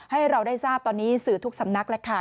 ให้เราได้ทราบตอนนี้สื่อทุกสำนักแล้วค่ะ